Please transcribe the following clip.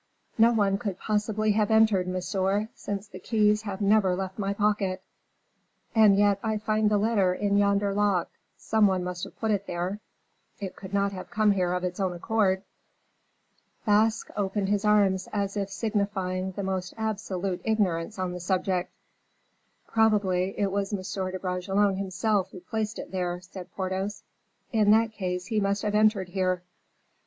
"No one could possibly have entered, monsieur, since the keys have never left my pocket." "And yet I find the letter in yonder lock; some one must have put it there; it could not have come here of its own accord." Basque opened his arms as if signifying the most absolute ignorance on the subject. "Probably it was M. de Bragelonne himself who placed it there," said Porthos. "In that case he must have entered here."